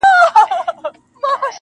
د مېږیانو کور له غمه نه خلاصېږي--!